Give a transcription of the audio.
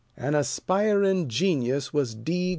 An aspiring genius was D.